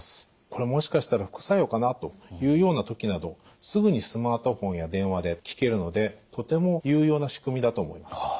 「これもしかしたら副作用かな？」というような時などすぐにスマートフォンや電話で聞けるのでとても有用な仕組みだと思います。